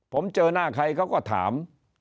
ผมเจอหน้าใครเขาก็ถาม